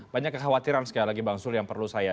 banyak kekhawatiran sekali lagi bang zul yang perlu saya